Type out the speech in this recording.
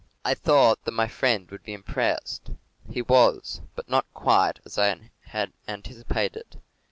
I thought that my friend would be impressed. He was; but not quite as I had anticipated.